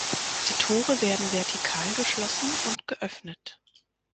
Die Tore werden vertikal geschlossen und geöffnet.